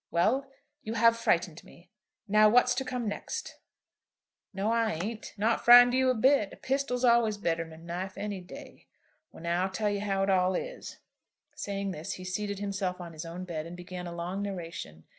"Well; you have frightened me. Now, what's to come next?" "No, I ain't; not frightened you a bit. A pistol's always better than a knife any day. Well now, I'll tell ye how it all is." Saying this, he seated himself on his own bed, and began a long narration.